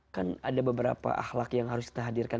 kan ada beberapa ahlak yang harus kita hadirkan